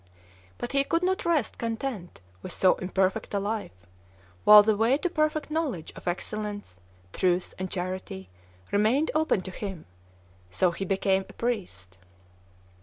But he could not rest content with so imperfect a life, while the way to perfect knowledge of excellence, truth, and charity remained open to him; so he became a priest.